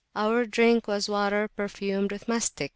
Our drink was water perfumed with mastic.